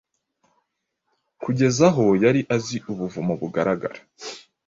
Kugeza aho yari azi ubuvumo bugaragara